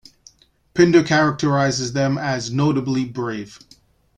Pindar characterizes them as notably brave.